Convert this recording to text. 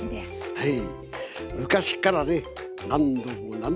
はい。